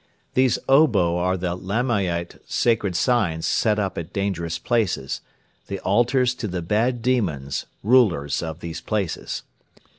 These obo are the Lamaite sacred signs set up at dangerous places, the altars to the bad demons, rulers of these places.